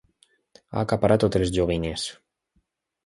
Ha acaparat totes les joguines.